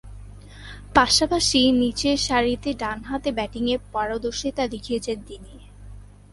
পাশাপাশি, নিচেরসারিতে ডানহাতে ব্যাটিংয়ে পারদর্শিতা দেখিয়েছেন তিনি।